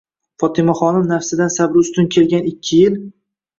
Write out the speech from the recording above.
Fotimaxonim nafsidan sabri ustun kelgan ikki yil.